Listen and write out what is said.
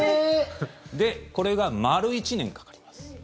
これが丸１年かかります。